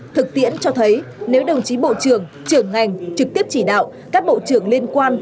thực tiễn cho thấy nếu đồng chí bộ trưởng trưởng ngành trực tiếp chỉ đạo các bộ trưởng liên quan